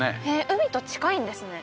海と近いんですね